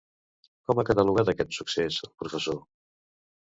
Com ha catalogat aquest succés, el professor?